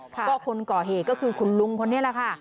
ก็คนก่อเหตุก็คือคุณลุงคนนี้แหละค่ะ